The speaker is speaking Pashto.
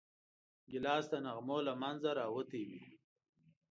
ګیلاس د نغمو له منځه راوتی وي.